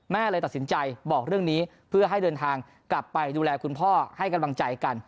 เลยตัดสินใจบอกเรื่องนี้เพื่อให้เดินทางกลับไปดูแลคุณพ่อให้กำลังใจกัน